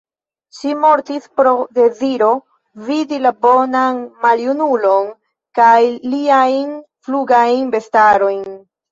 Ŝi mortis pro deziro, vidi la bonan maljunulon kaj liajn flugajn bestarojn.